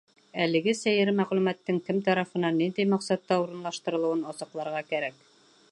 Әлеге сәйер мәғлүмәттең кем тарафынан, ниндәй маҡсатта урынлаштырылыуын асыҡларға кәрәк.